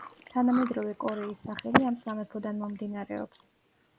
თანამედროვე კორეის სახელი ამ სამეფოდან მომდინარეობს.